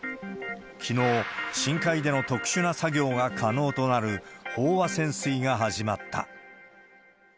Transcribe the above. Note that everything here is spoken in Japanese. きのう、深海での特殊な作業が可能となる、飽和潜水が始まった。